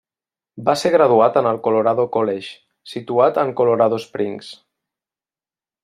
Va ser graduat en el Colorado College, situat en Colorado Springs.